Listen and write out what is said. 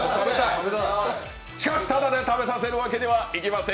しかし、ただで食べさせるわけにはいきません。